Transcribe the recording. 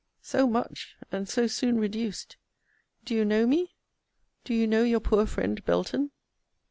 So much, and so soon reduced! Do you know me? Do you know your poor friend Belton?